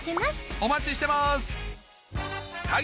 お待ちしてます！